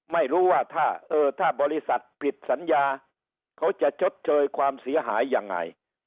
ไม่รู้ว่าถ้าบริษัทผิดสัญญาเขาจะชดเชยความเสียหายยังไง